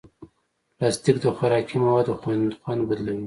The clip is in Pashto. پلاستيک د خوراکي موادو خوند بدلوي.